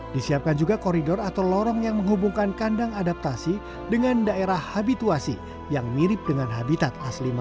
disiapkan juga koridor atau lorong yang menghubungkan kandang adaptasi dengan daerah habituasi yang mirip dengan habitat asli